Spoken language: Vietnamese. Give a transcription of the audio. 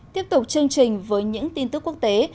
tiếp tục chương trình với những tin tức quốc tế